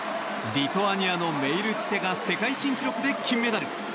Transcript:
リトアニアのメイルティテが世界新記録で金メダル。